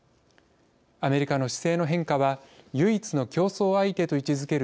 アメリカの姿勢の変化は唯一の競争相手と位置づける